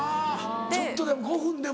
ちょっとでも５分でも。